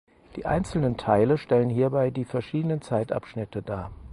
Die einzelnen Teile stellen hierbei die verschiedenen Zeitabschnitte dar.